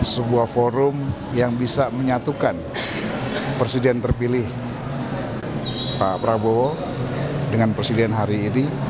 sebuah forum yang bisa menyatukan presiden terpilih pak prabowo dengan presiden hari ini